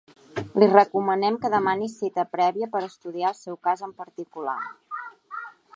Li recomanem que demani cita prèvia per estudiar el seu cas en particular.